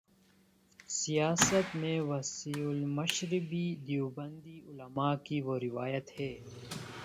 سیاست میں وسیع المشربی دیوبندی علما کی وہ روایت ہے۔